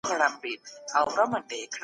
په ګنبت کي ماته وخوړه